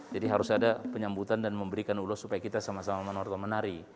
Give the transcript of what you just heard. jadi harus ada penyambutan dan memberikan ulos supaya kita sama sama menorto menari